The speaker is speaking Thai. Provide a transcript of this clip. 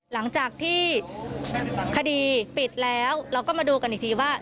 หลังจากที่คดีปิดแล้วเราก็มาดูกันอีกทีว่า